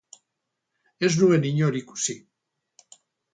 Ez nuen inor ikusi.